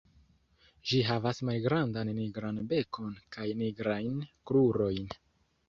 Ĝi havas malgrandan nigran bekon kaj nigrajn krurojn.